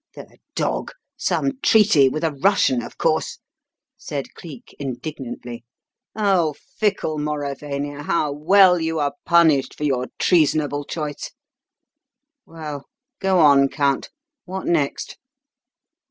"The dog! Some treaty with a Russian, of course!" said Cleek indignantly. "Oh, fickle Mauravania, how well you are punished for your treasonable choice! Well, go on, Count. What next?"